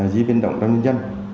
di biến động trong nhân dân